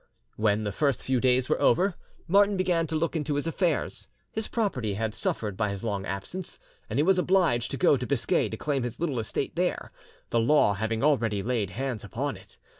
When the first few days were over, Martin began to look into his affairs. His property had suffered by his long absence, and he was obliged to go to Biscay to claim his little estate there, the law having already laid hands upon it.